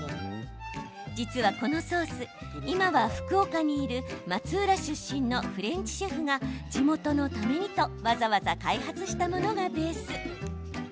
実は、このソース今は福岡にいる松浦出身のフレンチシェフが地元のためにとわざわざ開発したものがベース。